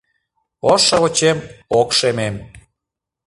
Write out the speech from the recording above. Ош шовычем ок шемем.